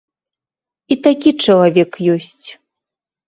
І такі чалавек ёсць.